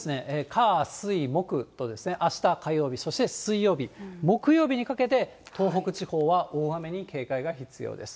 火、水、木と、あした火曜日、そして水曜日、木曜日にかけて、東北地方は大雨に警戒が必要です。